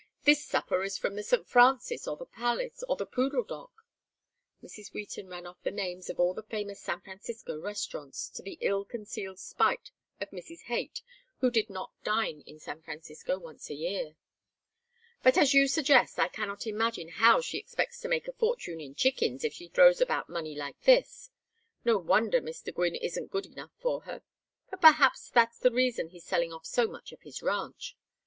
This supper is from the St. Francis, or The Palace, or The Poodle Dog " Mrs. Wheaton ran off the names of all the famous San Francisco restaurants, to the ill concealed spite of Mrs. Haight who did not dine in San Francisco once a year. "But as you suggest, I cannot imagine how she expects to make a fortune in chickens if she throws about money like this. No wonder Mr. Gwynne isn't good enough for her but perhaps that's the reason he's selling off so much of his ranch. Mr.